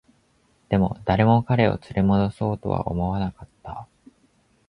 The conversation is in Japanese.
でも、誰も彼を連れ戻そうとは思わなかった